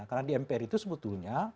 karena di mpr itu sebetulnya